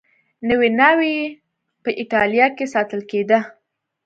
نوې ناوې په اېټالیا کې ساتل کېده.